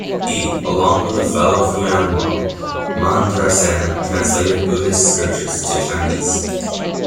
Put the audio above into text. He, along with the fellow Funan monk, Mandrasena, translated Buddhist scriptures to Chinese.